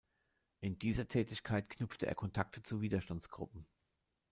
In dieser Tätigkeit knüpfte er Kontakte zu Widerstandsgruppen.